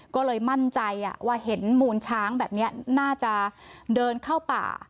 ก็เลยมั่นใจว่าเห็นมูลช้างแบบนี้น่าจะเดินเข้าป่า